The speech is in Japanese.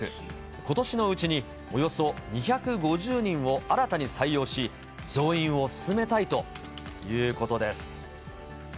ことしのうちに、およそ２５０人を新たに採用し、増員を進めたいということです。